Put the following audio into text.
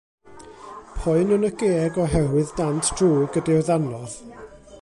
Poen yn y geg oherwydd dant drwg ydy'r ddannodd.